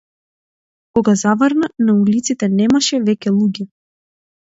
Кога заврна на улиците немаше веќе луѓе.